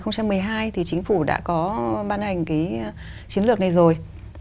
năm hai nghìn một mươi hai thì chính phủ đã có ban hành cái chiến lược này rồi